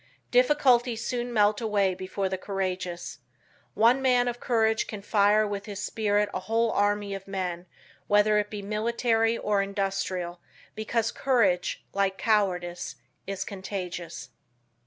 Difficulties soon melt away before the courageous. One man of courage can fire with his spirit a whole army of men, whether it be military or industrial, because courage, like cowardice, is contagious.